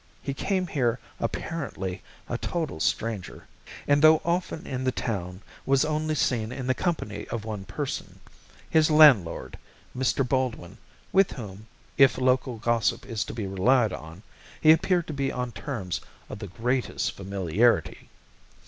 He came here apparently a total stranger, and though often in the town, was only seen in the company of one person his landlord, Mr. Baldwin, with whom if local gossip is to be relied on he appeared to be on terms of the greatest familiarity.